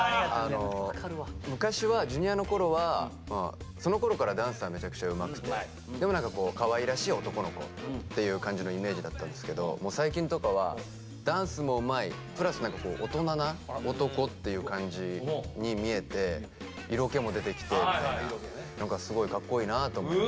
昔はＪｒ．のころはそのころからダンスはめちゃくちゃうまくてでも何かかわいらしい男の子っていう感じのイメージだったんですけど最近とかはダンスもうまいプラス大人な男っていう感じに見えて色気も出てきて何かすごいかっこいいなと思って。